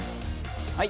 はい。